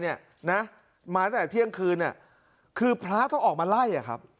มาตั้งแต่เที่ยงคืนคือพระต้องออกมาไล่